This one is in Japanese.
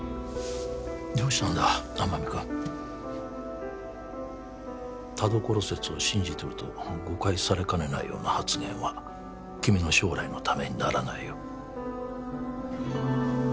どうしたんだ天海君田所説を信じてると誤解されかねないような発言は君の将来のためにならないよ